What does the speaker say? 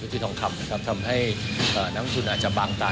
ที่ทองคำทำให้ทุนอาจจะบางมองใต้